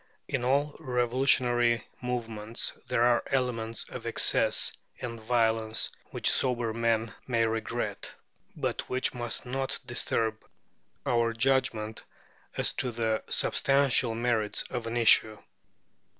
In all revolutionary movements there are elements of excess and violence, which sober men may regret, but which must not disturb our judgment as to the substantial merits of an issue.